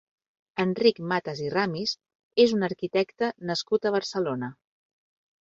Enric Matas i Ramis és un arquitecte nascut a Barcelona.